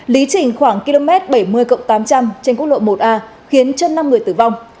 lý trình khoảng km bảy mươi tám trăm linh trên quốc lộ một a khiến chân năm người tử vong